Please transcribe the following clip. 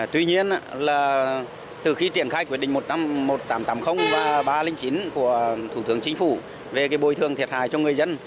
từ khi triển khai quyết định một nghìn tám trăm tám mươi và ba trăm linh chín của thủ tướng chính phủ về bồi thường thiệt hại cho người dân